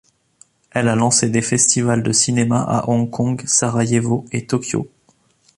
Elle a lancé des festivals de cinéma à Hong Kong, Sarajevo et Tokyo.